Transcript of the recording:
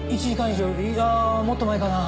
１時間以上いや